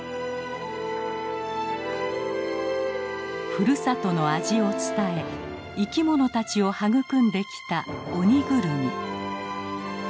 ふるさとの味を伝え生き物たちを育んできたオニグルミ。